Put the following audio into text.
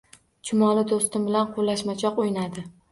Chumoli do’stim bilan quvlashmachoq o’ynadi